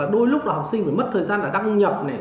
đôi lúc là học sinh phải mất thời gian là đăng nhập